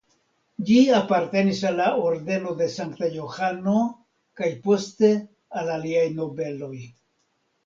Ĝi apartenis al la Ordeno de Sankta Johano kaj poste al aliaj nobeloj.